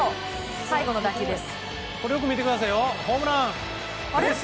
最後の打球です。